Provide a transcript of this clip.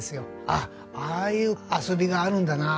あっああいう遊びがあるんだな。